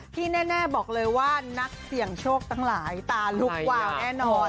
ที่แน่บอกเลยว่านักเสี่ยงโชคทั้งหลายตาลุกวาวแน่นอน